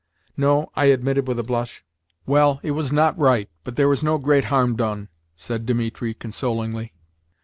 "No," I admitted with a blush. "Well, it was not right, but there is no great harm done," said Dimitri consolingly.